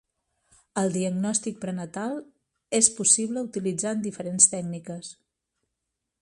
El diagnòstic prenatal és possible utilitzant diferents tècniques.